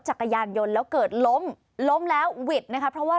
จักรยานยนต์แล้วเกิดล้มล้มแล้วหวิดนะคะเพราะว่า